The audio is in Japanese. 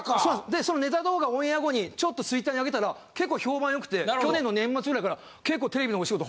でそのネタ動画オンエア後にちょっとＴｗｉｔｔｅｒにあげたら結構評判良くて去年の年末ぐらいから結構テレビのお仕事